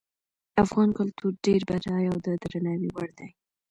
افغان کلتور ډیر بډایه او د درناوي وړ ده